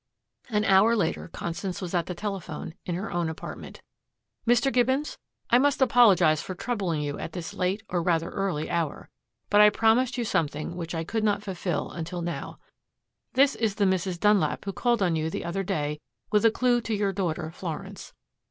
An hour later Constance was at the telephone in her own apartment. "Mr. Gibbons? I must apologize for troubling you at this late, or rather early, hour. But I promised you something which I could not fulfill until now. This is the Mrs. Dunlap who called on you the other day with a clue to your daughter Florence.